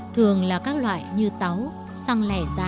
thường là các loại gỗ cực tốt có khả năng chịu nước chịu mặn